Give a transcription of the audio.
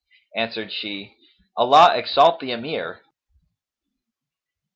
Answered she, "Allah exalt the Emir!"